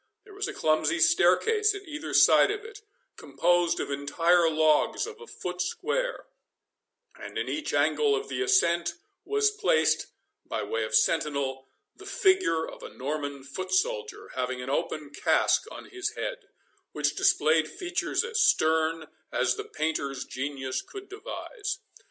There was a clumsy staircase at either side of it, composed of entire logs of a foot square; and in each angle of the ascent was placed, by way of sentinel, the figure of a Norman foot soldier, having an open casque on his head, which displayed features as stern as the painter's genius could devise.